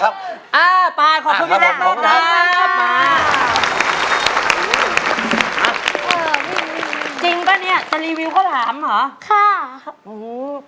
เฮอร์บนี่อะไร